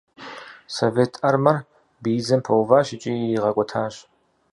Совет Армэр биидзэм пэуващ икӏи иригъэкӏуэтащ.